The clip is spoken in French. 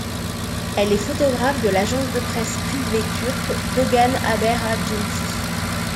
Elle est photographe de l'agence de presse privée turque Doğan Haber Ajansı.